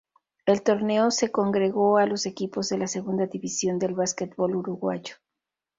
El torneo congregó a los equipos de la Segunda División del básquetbol uruguayo.